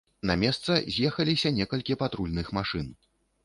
На месца з'ехаліся некалькі патрульных машын.